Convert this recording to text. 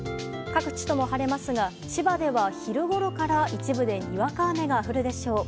各地とも晴れますが千葉では昼ごろから一部でにわか雨が降るでしょう。